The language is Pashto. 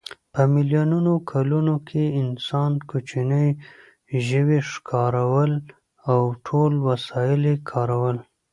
په میلیونو کلونو کې انسان کوچني ژوي ښکارول او ټول وسایل یې کارول.